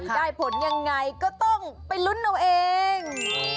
ได้ผลยังไงก็ต้องไปลุ้นเอาเอง